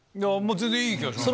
全然いい気がします。